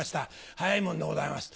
早いもんでございます